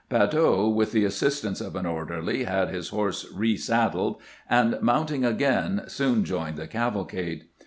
Badeau, with the assistance of an orderly, had his horse resaddled, and, mounting again, soon joined the cavalcade.